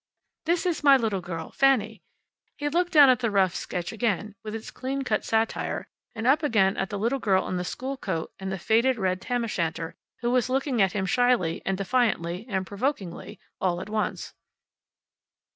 "This is my little girl, Fanny." He looked down at the rough sketch again, with its clean cut satire, and up again at the little girl in the school coat and the faded red tam o' shanter, who was looking at him shyly, and defiantly, and provokingly, all at once.